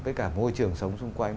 với cả môi trường sống xung quanh